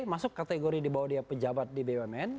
masuk kategori di bawah dia pejabat di bumn